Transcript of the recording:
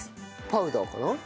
パウダーかな。